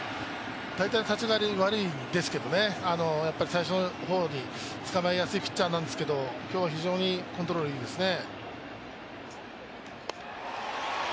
大体立ち上がり悪いんですけどね、最初の方に捕まえやすいピッチャーなんですけど今日は非常にコントロールがいいですね。